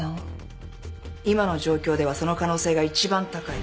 今の状況ではその可能性が一番高い。